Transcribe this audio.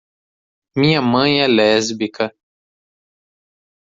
Minha mãe é lésbica.